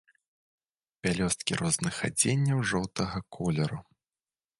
Пялёсткі розных адценняў жоўтага колеру.